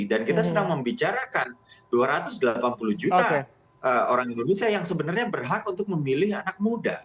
dan kita sedang membicarakan dua ratus delapan puluh juta orang indonesia yang sebenarnya berhak untuk memilih anak muda